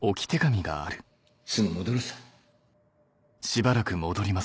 すぐ戻るさ。